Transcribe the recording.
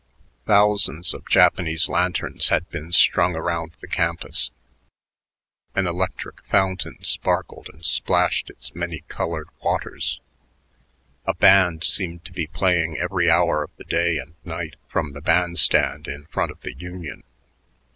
Thousands of Japanese lanterns had been strung around the campus; an electric fountain sparkled and splashed its many colored waters; a band seemed to be playing every hour of the day and night from the band stand in front of the Union.